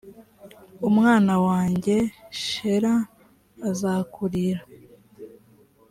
umwana wanjye shela azakurira